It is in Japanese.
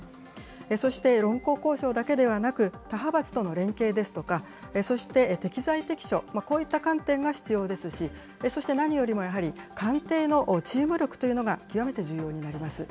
そして、論功行賞だけではなく、他派閥との連携ですとか、そして適材適所、こういった観点が必要ですし、そして何よりもやはり官邸のチーム力というのが極めて重要になります。